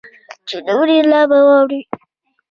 چې نه مرې لا به واورې